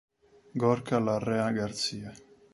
Gorka Larrea García